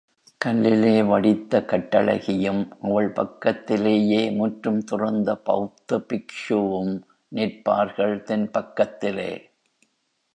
கல்லிலே வடித்த கட்டழகியும் அவள் பக்கத்திலேயே முற்றும் துறந்த பௌத்த பிக்ஷவும் நிற்பார்கள் தென் பக்கத்திலே.